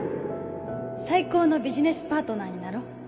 最高のビジネスパートナーになろう